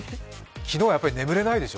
昨日は興奮して眠れないでしょ？